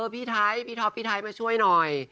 พี่ไทยพี่ท็อปพี่ไทยมาช่วยหน่อย